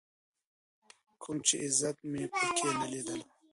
کوم چې عزت مې په کې نه ليدلو.